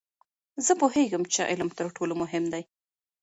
زه پوهیږم چې علم تر ټولو مهم دی.